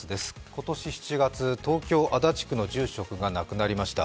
今年７月、東京・足立区の住職が亡くなりました。